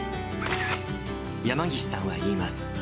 山岸さんは言います。